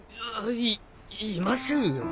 いいませんよ。